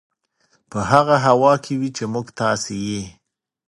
په هغه هوا کې وي چې موږ تاسې یې